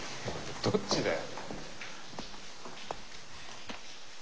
どっちだよ。